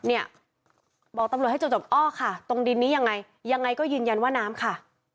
เนี่ยบอกตำรวจให้จบอ้อค่ะตรงดินนี้ยังไงยังไงก็ยืนยันว่าน้ำค่ะ